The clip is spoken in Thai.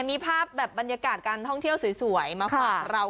มีภาพแบบบรรยากาศการท่องเที่ยวสวยมาฝากเรา